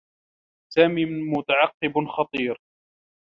سامي متعقّب خطير.